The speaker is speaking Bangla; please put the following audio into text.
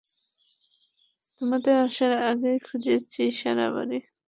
তোমাদের আসার আগেই খুঁজেছি সারা বাড়ি।